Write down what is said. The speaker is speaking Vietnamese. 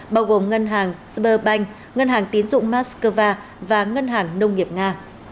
bao gồm ngân hàng sberbank ngân hàng tín dụng moscow và ngân hàng nông nghiệp nga